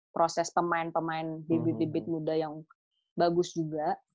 proses pemain pemain bibit bibit muda yang bagus juga